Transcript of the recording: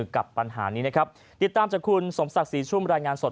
กับปัญหานี้นะครับติดตามจากคุณสมศักดิ์ศรีชุ่มรายงานสด